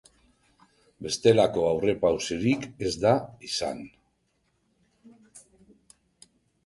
Bestelako aurrerapausirik ez da izan.